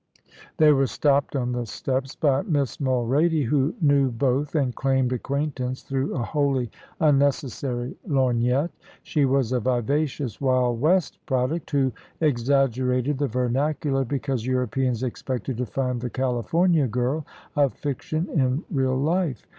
They were stopped on the steps by Miss Mulrady, "who knew both, and claimed acquaintance through a wholly unnecessary lorgnette. She was a vivacious Wild West product, who exaggerated the vernacular, because Europeans expected to find the Californian girl of fiction in real life.